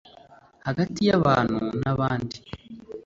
hagati y’abantu na bandi.